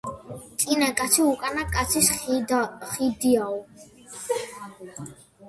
წინა კაცი უკანა კაცის ხიდიაო